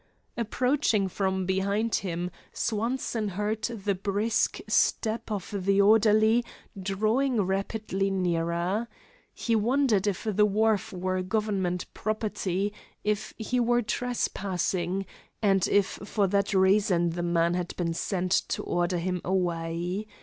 Approaching from behind him Swanson heard the brisk steps of the orderly drawing rapidly nearer. He wondered if the wharf were government property, if he were trespassing, and if for that reason the man had been sent to order him away.